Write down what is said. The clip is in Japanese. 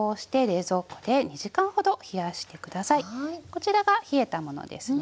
こちらが冷えたものですね。